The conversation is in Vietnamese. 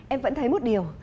em vẫn thấy một điều